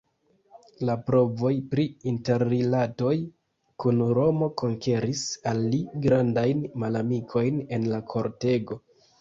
La provoj pri interrilatoj kun Romo konkeris al li grandajn malamikojn en la kortego.